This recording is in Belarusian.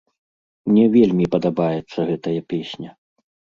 Мне вельмі падабаецца гэтая песня.